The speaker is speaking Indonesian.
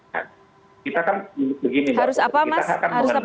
harus apa mas harus apa mas uceng